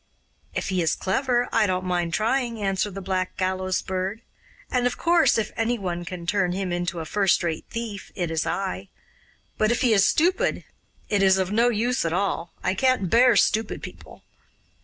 'If he is clever, I don't mind trying,' answered the Black Gallows Bird; 'and, of course, if ANY one can turn him into a first rate thief, it is I. But if he is stupid, it is of no use at all; I can't bear stupid people.